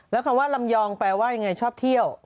แล้วคำว่าลำยองแปลว่ายังไงชอบเที่ยว